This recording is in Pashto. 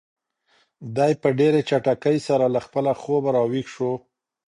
دی په ډېرې چټکۍ سره له خپل خوبه را ویښ شو.